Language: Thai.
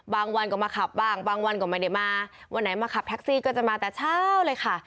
วันก็มาขับบ้างบางวันก็ไม่ได้มาวันไหนมาขับแท็กซี่ก็จะมาแต่เช้าเลยค่ะ